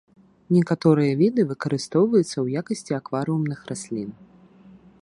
Некаторыя віды выкарыстоўваюцца ў якасці акварыумных раслін.